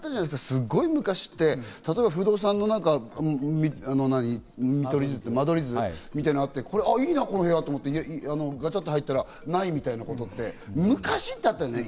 すごい昔って不動産の間取り図みたいなのがあって、いいなこの部屋と思って、ガチャって入ったらないみたいなことって、昔ってあったよね。